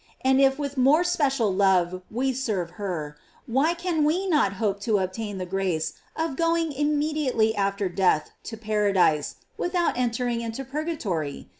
And if with more special love we serve her, why cannot we hope to obtain the grace of going immediately after death to para dise, without entering into purgatory?